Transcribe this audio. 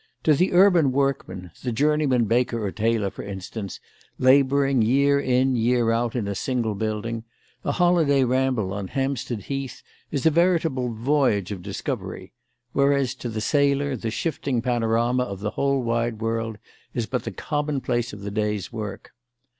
To the urban workman the journeyman baker or tailor, for instance, labouring year in year out in a single building a holiday ramble on Hampstead Heath is a veritable voyage of discovery; whereas to the sailor the shifting panorama of the whole wide world is but the commonplace of the day's work.